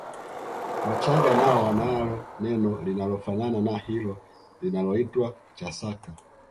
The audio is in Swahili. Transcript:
Wachaga nao wanalo neno linalofanana na hilo linaloitwa Chasaka